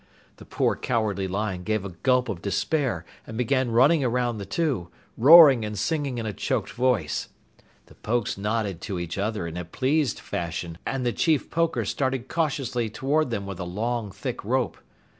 The poor Cowardly Lion gave a gulp of despair and began running around the two, roaring and singing in a choked voice. The Pokes nodded to each other in a pleased fashion, and the Chief Poker started cautiously toward them with a long, thick rope.